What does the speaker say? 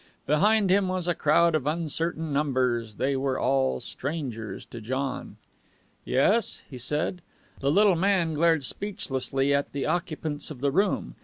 Behind him was a crowd of uncertain numbers. They were all strangers to John. "Yes?" he said. The little man glared speechlessly at the occupants of the room.